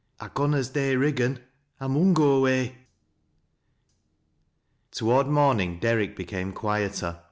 " I conna stay i' Kiggan ; I mun go away." Toward morning Derrick became quieter.